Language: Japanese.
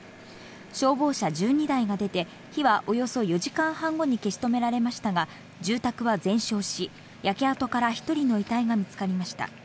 消防車１２台が出て、火はおよそ４時間半後に消し止められましたが、住宅が全焼し、焼け跡から１人の遺体が見つかりました。